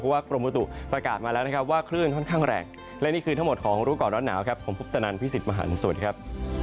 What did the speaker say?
กรมบุตุประกาศมาแล้วนะครับว่าคลื่นค่อนข้างแรงและนี่คือทั้งหมดของรู้ก่อนร้อนหนาวครับผมพุทธนันพี่สิทธิ์มหันฯสวัสดีครับ